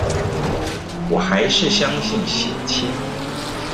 我還是相信血親